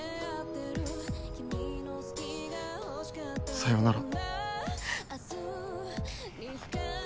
さよなら。